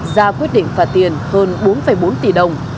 ra quyết định phạt tiền hơn bốn bốn tỷ đồng